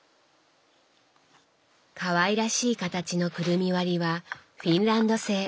かわいらしい形のくるみ割りはフィンランド製。